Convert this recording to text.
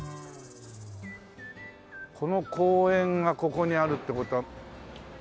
この公園がここにあるって事は。